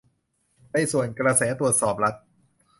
ในส่วน 'กระแสตรวจสอบรัฐ'